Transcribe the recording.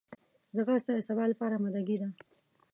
ځغاسته د سبا لپاره آمادګي ده